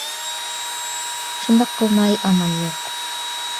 شۇنداق قىلماي ئامال يوق!